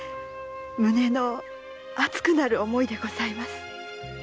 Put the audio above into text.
胸の熱くなる思いでございます。